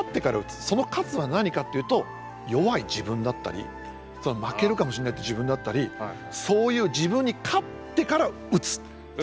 その「勝つ」は何かっていうと弱い自分だったり負けるかもしんないって自分だったりそういう自分に勝ってから打つっていう。